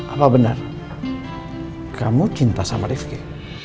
apa benar kamu cinta sama rifki